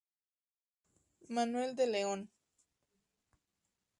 Manuel de León.